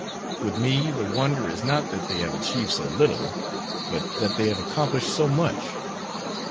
With me the wonder is not that they have achieved so little, but that they have accomplished so much.